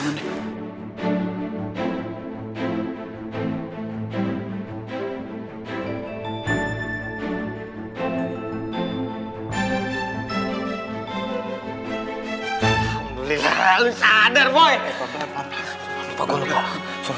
masuk kuliah dulu